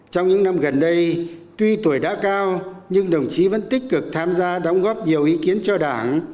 trong những năm gần đây tuy tuổi đã cao nhưng đồng chí vẫn tích cực tham gia đóng góp nhiều ý kiến cho đảng